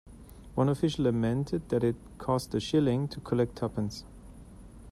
One official lamented that "it cost a shilling to collect tuppence".